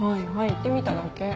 言ってみただけ。